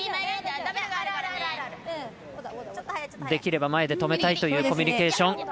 できれば前で止めたいというコミュニケーション。